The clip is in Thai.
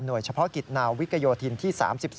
หน่วยเฉพาะกิจนาววิกยโยธินที่๓๒